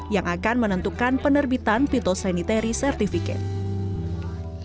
yang akan menentukan penerbitan pitosanitary certificate